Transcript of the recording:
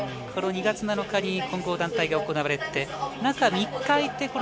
２月７日に混合団体が行われて中３日空いて